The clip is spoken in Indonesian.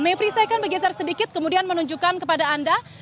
mevri saya akan bergeser sedikit kemudian menunjukkan kepada anda